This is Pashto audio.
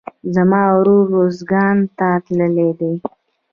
زما ورور روزګان ته تللى دئ.